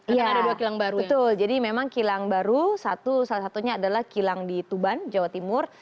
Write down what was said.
iya betul jadi memang kilang baru salah satunya adalah kilang di tuban jawa timur